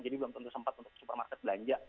jadi belum tentu sempat untuk supermarket belanja